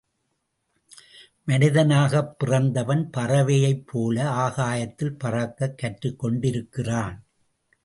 மனிதனாகப் பிறந்தவன் பறவையைப் போல ஆகாயத்தில் பறக்கக் கற்றுக்கொண்டிருக்கிறான்.